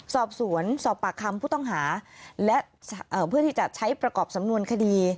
สอบสวนสอบปากคำผู้ต้องหาและเพื่อที่จะใช้ประกอบสำนวนคดี